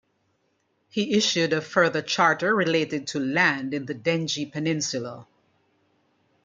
He issued a further charter related to land in the Dengie peninsula.